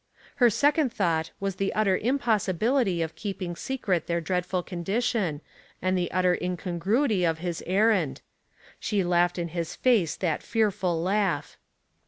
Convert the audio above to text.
Her second thought was the utter impossibility of keeping secret their dreadful condition and the utter incongruity of his errand. She laughed in his face that fearful laugh.